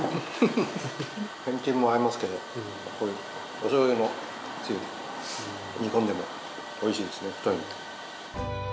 けんちんも合いますけどこういうお醤油のつゆで煮込んでもおいしいですね。